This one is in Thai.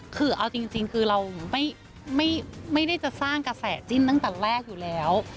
คือเอาจริงคือเราไม่ได้จะสร้างกระแสจิ้นตั้งแต่แรกอยู่แล้ว